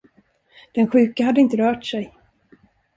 Den sjuke hade inte rört sig.